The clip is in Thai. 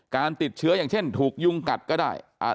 การติดเชื้ออย่างเช่นถูกยุงกัดก็ได้